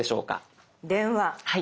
電話。